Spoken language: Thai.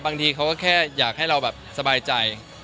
บางทีเขาก็แค่อยากให้เราแบบสบายใจ